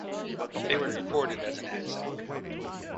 They would report it as an accident.